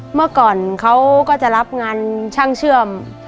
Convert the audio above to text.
เมื่อก่อนเขาก็จะรับงานช่างเชื่อม